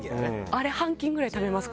あれ半斤ぐらい食べます